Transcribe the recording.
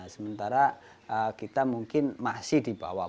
sementara kita mungkin masih di bawah